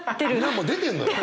もう出てんのよ！